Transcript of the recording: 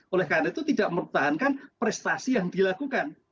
oleh karena itu tidak mempertahankan prestasi yang dilakukan